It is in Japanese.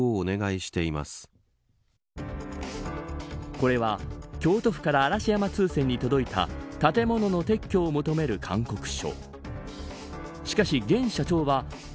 これは京都府から嵐山通船に届いた建物の撤去を求める勧告書。